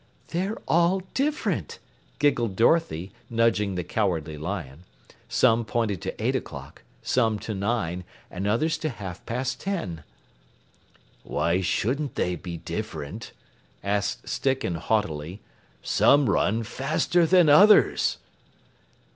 "They're all different," giggled Dorothy, nudging the Cowardly Lion. Some pointed to eight o'clock, some to nine, and others to half past ten. "Why shouldn't they be different?" asked Sticken haughtily. "Some run faster than others!"